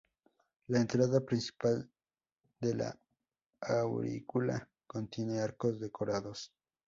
La entrada principal de la aurícula contiene arcos decorados.